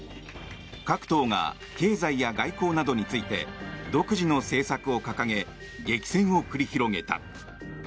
各党が、経済や外交などについて独自の政策を掲げ激戦を繰り広げた。